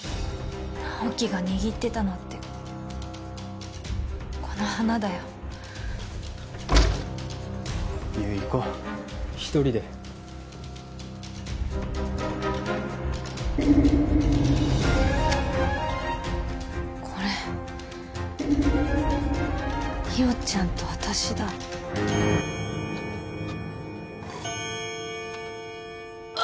直木が握ってたのってこの花だよ悠依行こう一人でこれ莉桜ちゃんと私だあ！